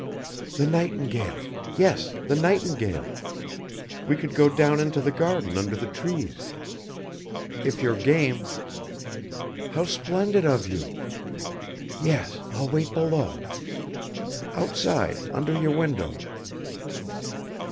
"The nightingale yes, the nightingale. We could go down into the garden under the trees. If you're game. How splendid of you! ... Yes, I'll wait below .... Outside, under your window."